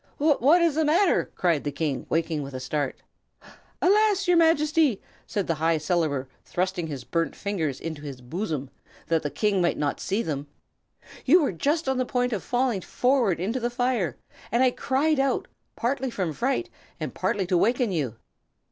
"What is the matter?" cried the King, waking with a start. "Alas! your Majesty," said the High Cellarer, thrusting his burnt fingers into his bosom, that the King might not see them. "You were just on the point of falling forward into the fire, and I cried out, partly from fright and partly to waken you."